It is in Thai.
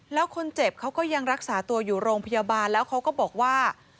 แล้วคนเจ็บเขาก็ยังรักษาตัวอยู่โรงพยาบาลแล้วเขาก็บอกว่า